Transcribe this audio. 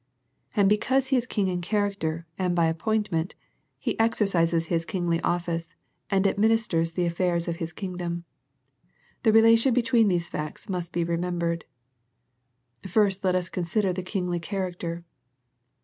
And because He is King in character, and by appointment. He exercises His Kingly office, and administers the affairs of His King dom. The relation between these facts must be remembered. First let us consider the Kingly character.